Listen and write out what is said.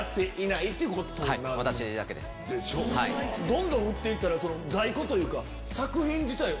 どんどん売って行ったら在庫というか作品自体。